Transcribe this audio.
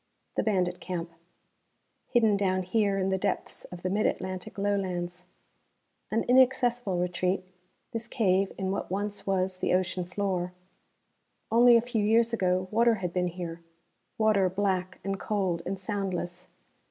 The bandit camp. Hidden down here in the depths of the Mid Atlantic Lowlands. An inaccessible retreat, this cave in what once was the ocean floor. Only a few years ago water had been here, water black and cold and soundless.